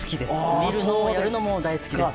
見るのもやるのも大好きです。